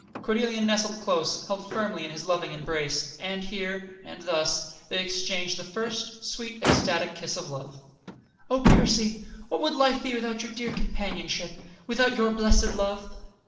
Cordelia nestled close, held firmly in his loving embrace. And here, and thus, they exchanged the first sweet, ecstatic kiss of love. "Oh, Percy! What would life be without your dear companionship, without your blessed love?"